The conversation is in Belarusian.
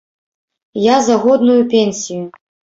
Я за годную пенсію.